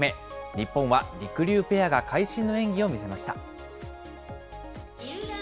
日本はりくりゅうペアが会心の演技を見せました。